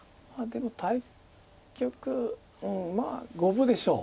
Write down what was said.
でも対局まあ五分でしょう。